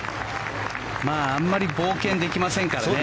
あまり冒険できませんからね。